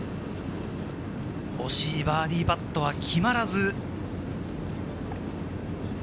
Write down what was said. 惜しいバーディーパットが決まらず。